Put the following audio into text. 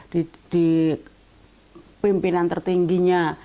di pimpinan tertingginya